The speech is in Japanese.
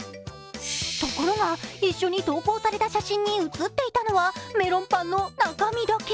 ところが、一緒に投稿された写真に写っていたのは、メロンパンの中身だけ。